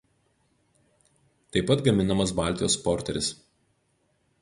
Taip pat gaminamas Baltijos porteris.